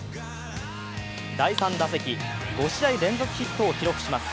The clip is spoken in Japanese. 第３打席５試合連続ヒットを記録します。